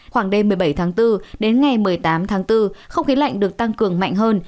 khoảng đêm một mươi bảy tháng bốn đến ngày một mươi tám tháng bốn không khí lạnh được tăng cường mạnh hơn